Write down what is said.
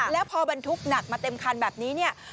แล้วพอบรรทุกหนักมาเต็มคันแบบนี้เนี่ย